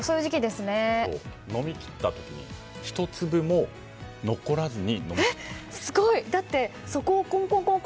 飲み切った時に１粒も残らずに。